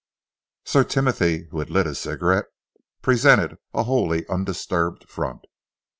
Sir Timothy, who had lit his cigarette, presented a wholly undisturbed front.